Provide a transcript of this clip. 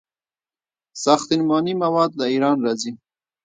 ساختماني مواد له ایران راځي.